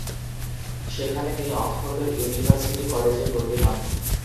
সেখানে তিনি অক্সফোর্ডের ইউনিভার্সিটি কলেজে ভর্তি হন।